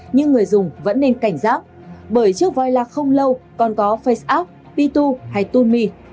nhưng người dùng vẫn nên cảnh giác bởi trước voila không lâu còn có faceapp p hai hay toonme